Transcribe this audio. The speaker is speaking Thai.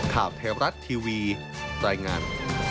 ข้าวแพรรัฐทีวีตรายงาน